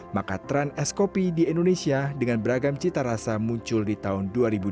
maka tren es kopi di indonesia dengan beragam cita rasa muncul di tahun dua ribu dua puluh